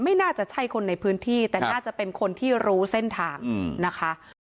ไม่น่าจะใช่คนในพื้นที่แต่น่าจะเป็นคนที่รู้เส้นทางนะคะ